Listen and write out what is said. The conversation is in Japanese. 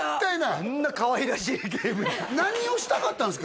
あんなかわいらしいゲームに何をしたかったんですか？